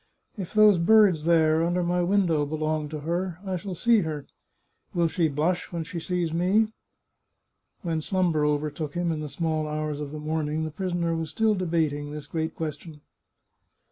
If those birds there, under my window, belong to her, I shall see her. ... Will she blush when she sees me ?" When slumber overtook him, in the small hours of the morn ing, the prisoner was still debating this great question.